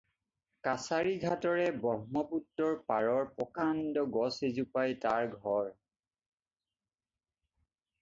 কাছাৰীঘাটৰে ব্ৰহ্মপুত্ৰৰ পাৰৰ প্ৰকাণ্ড গছ এজোপাই তাৰ ঘৰ।